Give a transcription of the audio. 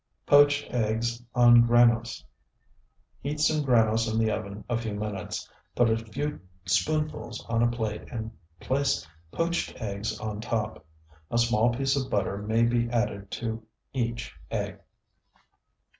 POACHED EGGS ON GRANOSE Heat some granose in the oven a few minutes; put a few spoonfuls on a plate and place poached eggs on top. A small piece of butter may be added to each egg.